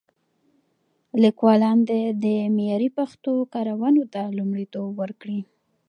لیکوالان دې د معیاري پښتو کارونو ته لومړیتوب ورکړي.